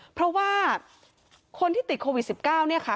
เพราะว่าคนที่ติดโควิด๑๙เนี่ยค่ะ